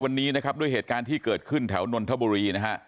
วันนี้นะครับด้วยเหตุการณ์ที่เกิดขึ้นแถวนนทบุรีนะฮะ